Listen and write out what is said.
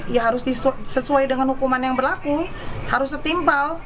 ya harus sesuai dengan hukuman yang berlaku harus setimpal